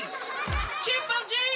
チンパンジー！